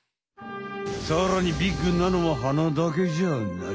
さらにビッグなのは鼻だけじゃない。